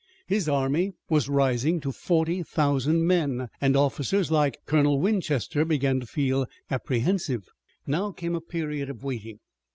His army was rising to forty thousand men, and officers like Colonel Winchester began to feel apprehensive. Now came a period of waiting.